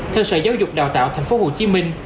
theo sở giáo dục đào tạo thành phố hồ chí minh